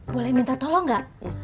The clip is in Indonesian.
boleh minta tolong gak